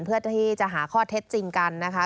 เพื่อที่จะหาข้อเท็จจริงกันนะคะ